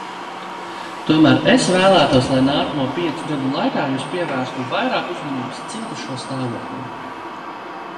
Tomēr es vēlētos, lai nākamo piecu gadu laikā jūs pievērstu vairāk uzmanības cietušo stāvoklim.